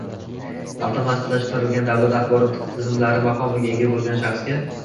avtomatlashtirilgan davlat axborot tizimlari maqomiga ega bo‘lgan shaxsga